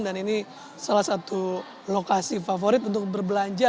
dan ini salah satu lokasi favorit untuk berbelanja